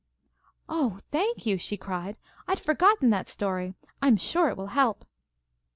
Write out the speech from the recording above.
"Oh, thank you!" she cried. "I'd forgotten that story. I am sure it will help."